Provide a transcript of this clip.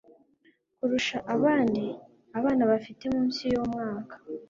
kurusha abandi? abana bafite munsi y'umwaka